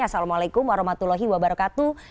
assalamualaikum warahmatullahi wabarakatuh